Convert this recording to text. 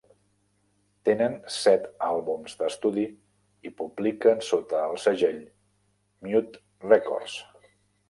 Tenen set àlbums d'estudi i publiquen sota el segell Mute Records.